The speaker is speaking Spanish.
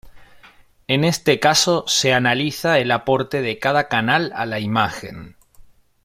En este caso se analiza el aporte de cada canal a la imagen.